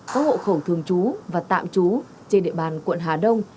có hộ khẩu thường trú và tạm trú trên địa bàn quận hà đông